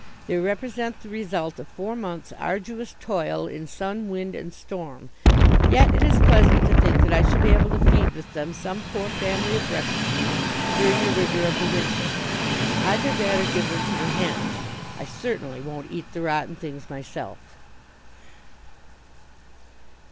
They represent the result of four months' arduous toil in sun, wind, and storm. Yet it is pleasant to think that I shall be able to feed with them some poor family of refugees during the rigour of the winter. Either that or give them to the hens. I certainly won't eat the rotten things myself.